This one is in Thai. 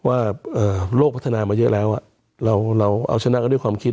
ว่าโลกพัฒนามาเยอะแล้วเราเอาชนะก็ด้วยความคิด